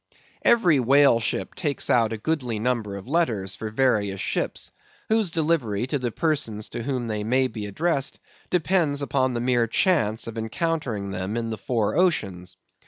Every whale ship takes out a goodly number of letters for various ships, whose delivery to the persons to whom they may be addressed, depends upon the mere chance of encountering them in the four oceans.